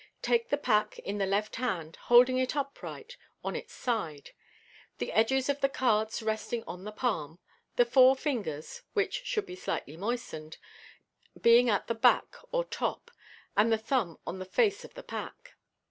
Take the pack in the left hand, holding it upright on its side, the edges of the cards resting on the palm, the four fingers (which should be slightly moistened) being at the back or top, and the thumb on the face of the pack.